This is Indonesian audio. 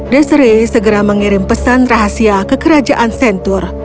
desiree segera mengirim pesan rahasia ke kerajaan centaur